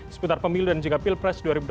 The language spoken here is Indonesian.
seputar pemilu dan juga pilpres dua ribu dua puluh